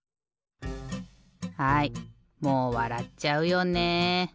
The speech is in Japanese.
はいもうわらっちゃうよね。